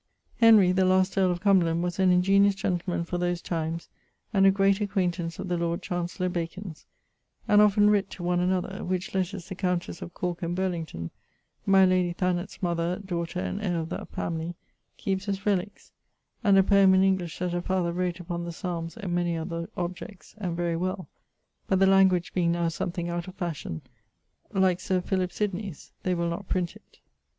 Henry, the last earle of Cumberland, was an ingeniose gentleman for those times and a great acquaintance of the Lord Chancellor Bacon's; and often writt to one another, which lettres the countesse of Corke and Burlington, my lady Thanet's mother, daughter and heir of that family, keepes as reliques; and a poeme in English that her father wrott upon the Psalmes and many other subjects, and very well, but the language being now something out of fashion, like Sir Philip Sydney's, they will not print it.